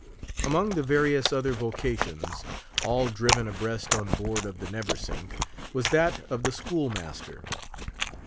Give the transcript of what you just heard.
Among the various other vocations, all driven abreast on board of the Neversink, was that of the schoolmaster.